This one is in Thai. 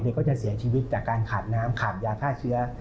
ก็จะเสียชีวิตจากการขาดน้ำขาดยาฆ่าเชื้อ